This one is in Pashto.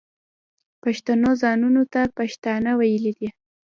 پښتنو ځانونو ته پښتانه ویلي دي.